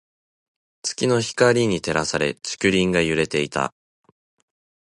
月の光に照らされ、竹林が揺れていた。